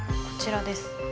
こちらです。